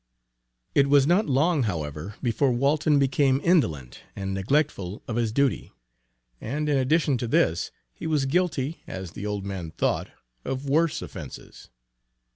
It was not long, however, before Walton became indolent and neglectful of his duty; and in addition to this, he was guilty, as the old man thought, of worse offences.